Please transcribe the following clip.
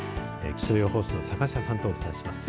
気象予報士の坂下さんとお伝えします。